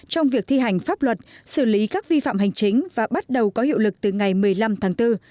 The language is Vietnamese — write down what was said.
trong việc thi hành pháp luật xử lý các vi phạm hành chính và bắt đầu có hiệu lực từ ngày một mươi năm tháng bốn